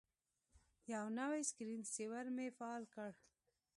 یو نوی سکرین سیور مې فعال کړ.